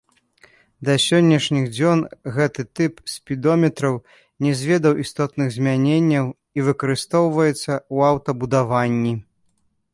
Да сённяшніх дзён гэты тып спідометраў не зведаў істотных змяненняў і выкарыстоўваецца ў аўтабудаванні.